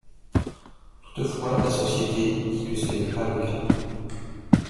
Toutefois, la société dit que ce n'est pas le cas.